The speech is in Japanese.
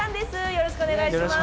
よろしくお願いします。